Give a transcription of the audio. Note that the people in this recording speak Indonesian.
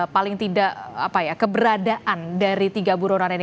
paling tidak keberadaan dari tiga buronan ini